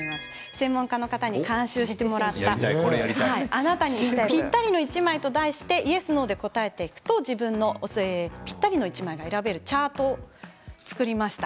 専門家の方に監修してもらったあなたに合う１枚と題してイエス、ノーで答えていくと自分にぴったりの素材が分かるチャートを作りました。